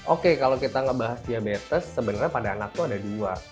oke kalau kita ngebahas diabetes sebenarnya pada anak tuh ada dua